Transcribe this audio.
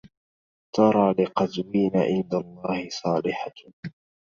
ترى لقزوين عند الله صالحة